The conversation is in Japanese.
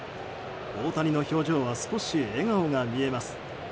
大谷の表情は少し笑顔が見えます。